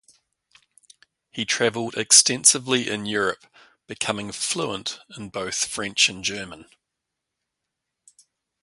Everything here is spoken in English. He travelled extensively in Europe, becoming fluent in both French and German.